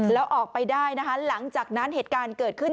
แล้วออกไปได้นะคะหลังจากนั้นเหตุการณ์เกิดขึ้น